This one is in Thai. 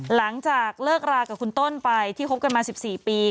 หลังจากเลิกรากับคุณต้นไปที่คบกันมา๑๔ปี